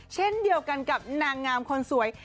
เช่นเดียวกันกับนางงามคนสวย